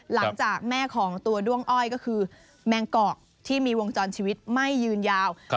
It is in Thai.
หลังจากแม่ของตัวด้วงอ้อยก็คือแมงกอกที่มีวงจรชีวิตไม่ยืนยาว